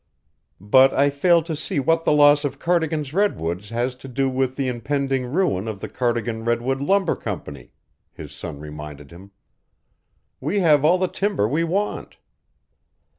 "But I fail to see what the loss of Cardigan's Redwoods has to do with the impending ruin of the Cardigan Redwood Lumber Company," his son reminded him. "We have all the timber we want."